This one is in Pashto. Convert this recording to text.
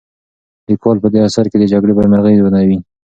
لیکوال په دې اثر کې د جګړې بدمرغۍ بیانوي.